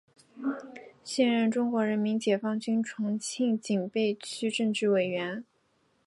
现任中国人民解放军重庆警备区政治委员。